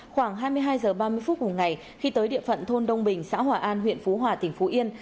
khoảng hai mươi hai h ba mươi phút cùng ngày khi tới địa phận thôn đông bình xã hòa an huyện phú hòa tỉnh phú yên